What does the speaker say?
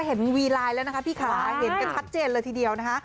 วีไลน์แล้วนะคะพี่ขาเห็นกันชัดเจนเลยทีเดียวนะคะ